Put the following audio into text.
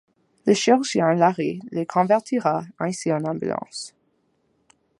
Le chirurgien Larrey les convertira ainsi en ambulances.